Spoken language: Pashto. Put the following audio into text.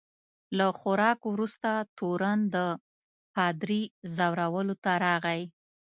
له خوراک وروسته تورن د پادري ځورولو ته راغی.